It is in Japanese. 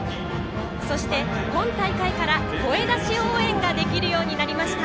そして、今大会から声出し応援ができるようになりました。